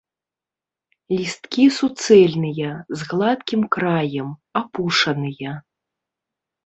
Лісткі суцэльныя, з гладкім краем, апушаныя.